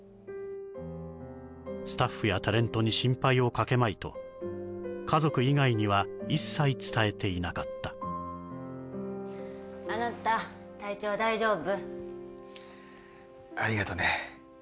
スタッフやタレントに心配をかけまいと家族以外には一切伝えていなかったあなた体調は大丈夫？